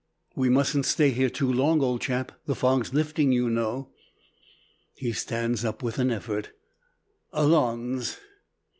"We mustn't stay here too long, old chap. The fog's lifting, you know." He stands up with an effort "Allons."